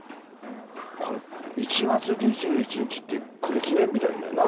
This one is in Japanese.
これ１月２１日ってこれ記念日だよね。